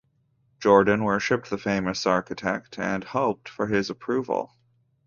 Jordan worshipped the famous architect and hoped for his approval.